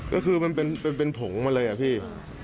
ก็คือมันเป็นผงมาเลยอะพี่